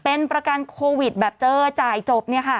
เป็นประกันโควิดแบบเจอจ่ายจบเนี่ยค่ะ